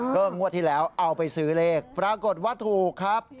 ก็งวดที่แล้วเอาไปซื้อเลขปรากฏว่าถูกครับ